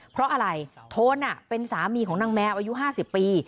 เพราะอะไรโทนเป็นสามีของนางแมวอายุ๕๐ปี